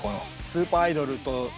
スーパーアイドルとなると。